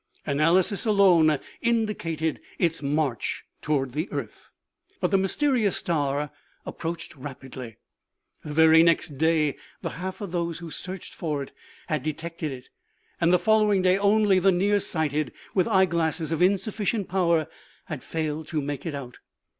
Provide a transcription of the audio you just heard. Analysis alone indicated its march toward the earth. But the mysterious star approached rapidly. The very next day the half of those who searched for it had detected it, and the following day only the near sighted, with eye glasses of insufficient power, had failed to make it out.